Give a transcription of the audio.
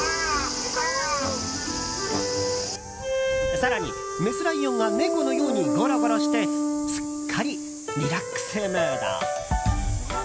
更に、メスライオンが猫のようにゴロゴロしてすっかりリラックスムード。